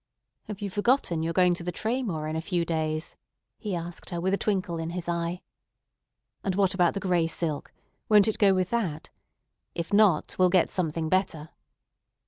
"Have you forgotten you're going to the Traymore in a few days?" he asked her with a twinkle in his eye. "And what about the gray silk? Won't it go with that? If not, we'll get something better."